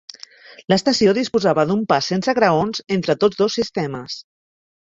L'estació disposava d'un pas sense graons entre tots dos sistemes.